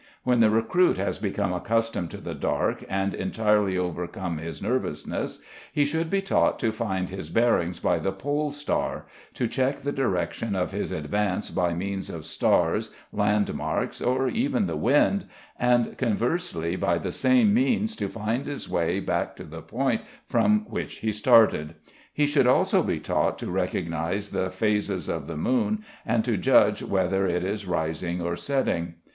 _ When the recruit has become accustomed to the dark, and entirely overcome his nervousness, he should be taught to find his bearings by the pole star, to check the direction of his advance by means of stars, landmarks, or even the wind, and conversely by the same means to find his way back to the point from which he started. He should also be taught to recognise the phases of the moon, and to judge whether it is rising or setting.